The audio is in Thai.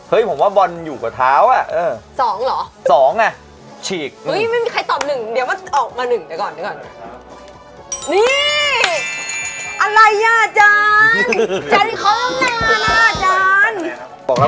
เออหยางอาจารย์เขาวิเคราะห์ไปแล้ว